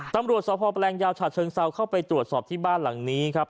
ตำรวจสพแปลงยาวฉะเชิงเซาเข้าไปตรวจสอบที่บ้านหลังนี้ครับ